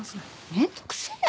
めんどくせえよ